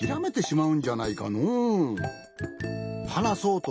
うん。